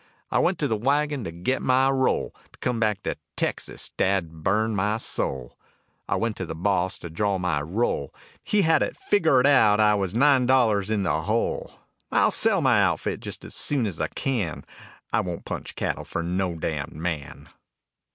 I went to the wagon to get my roll, To come back to Texas, dad burn my soul. I went to the boss to draw my roll, He had it figgered out I was nine dollars in the hole. I'll sell my outfit just as soon as I can, I won't punch cattle for no damned man.